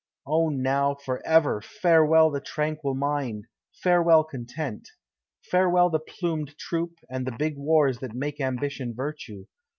"Oh, now, for ever, farewell the tranquil mind, farewell content! Farewell the plumed troop, and the big wars that make ambition virtue!